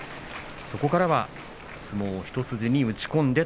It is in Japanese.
そこからは相撲一筋に打ち込んで